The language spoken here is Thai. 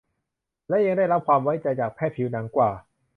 และยังได้รับความไว้วางใจจากแพทย์ผิวหนังกว่า